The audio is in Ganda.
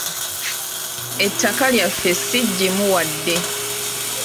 Ettaka lyaffe si ggimu wadde.